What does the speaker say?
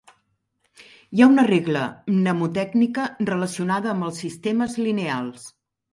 Hi ha una regla mnemotècnica relacionada amb els sistemes lineals.